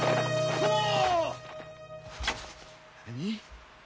何！？